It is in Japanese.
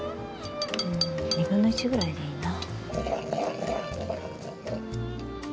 ２分の１ぐらいでいいな。